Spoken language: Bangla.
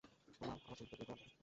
তোমার আমার ছেলেকে বের করে আনতে হবে।